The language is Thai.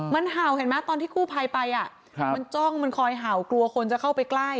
มันเห่าเห็นไหมตอนที่กู้ภัยไปมันจ้องมันคอยเห่ากลัวคนจะเข้าไปใกล้